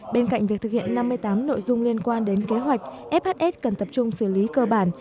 bên cạnh việc thực hiện năm mươi tám nội dung liên quan đến kế hoạch fhs cần tập trung xử lý cơ bản